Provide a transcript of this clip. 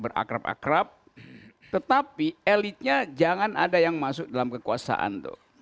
berakrab akrab tetapi elitnya jangan ada yang masuk dalam kekuasaan tuh